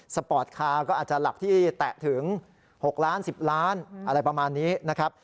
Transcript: สปอร์ตคาร์ก็อาจจะหลักที่แตะถึง๖ล้าน๑๐ล้านอะไรประมาณนี้นะครับ